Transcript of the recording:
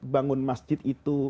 bangun masjid itu